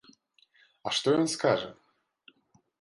А што ён скажа?